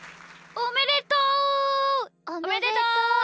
おめでとう！